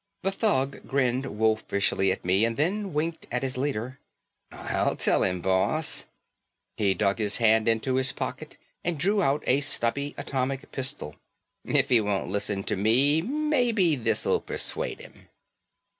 The thug grinned wolfishly at me and then winked at his leader. "I'll tell him, boss." He dug his hand into his pocket and drew out a stubby atomic pistol. "If he won't listen to me maybe this'll persuade him."